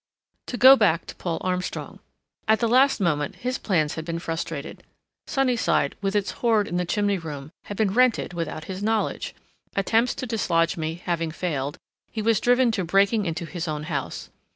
To go back to Paul Armstrong. At the last moment his plans had been frustrated. Sunnyside, with its hoard in the chimney room, had been rented without his knowledge! Attempts to dislodge me having failed, he was driven to breaking into his own house.